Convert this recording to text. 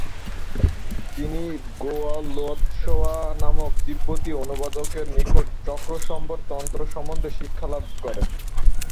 তিনি র্গোয়া-লো-ত্সা-ওয়া নামক তিব্বতী অনুবাদকের নিকট চক্রসম্বর তন্ত্র সম্বন্ধে শিক্ষালাভ করেন।